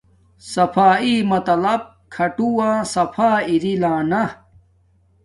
صفایݵ مطلب کھاٹووہ صفآ اری لانا